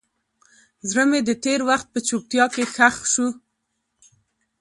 زړه مې د تېر وخت په چوپتیا کې ښخ شو.